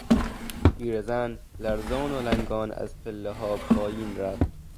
پیرزن لرزان و لنگان از پلهها پایین رفت.